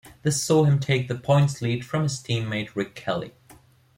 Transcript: This saw him take the points lead from his team mate Rick Kelly.